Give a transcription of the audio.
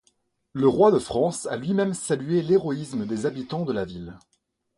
Le roi de France a lui-même salué l'héroïsme des habitants de la ville.